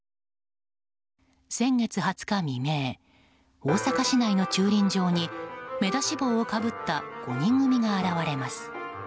先月２０日未明大阪市内の駐輪場に目出し帽をかぶった５人組が現れます。